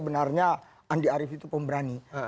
sebenarnya andi arief itu pemberani